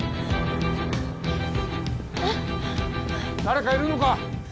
・誰かいるのか？